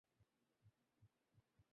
আমার মনে অন্তত মায়া আছে।